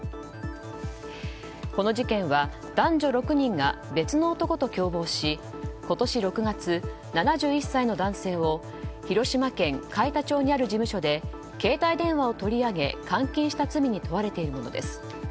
この事件は男女６人が別の男と共謀し今年６月、７１歳の男性を広島県海田町にある事務所で携帯電話を取り上げ監禁した罪に問われているものです。